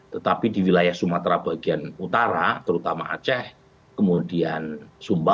tetapi di wilayah sumatera kemudian kebri babel jambi bahkan lampung prabowo subianto menguasai wilayah wilayah sumatera bagian selatan ke bawah